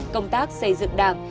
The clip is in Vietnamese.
công tác xây dựng đảng